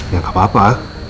ya gak apa apa